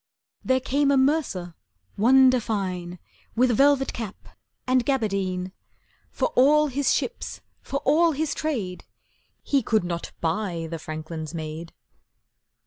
There came a mercer wonder fine, With velvet cap and gaberdine; For all his ships, for all his trade, He could not buy the franklin's maid.